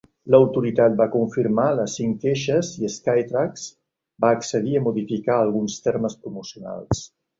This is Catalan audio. L'autoritat va confirmar les cinc queixes i Skytrax va accedir a modificar alguns termes promocionals.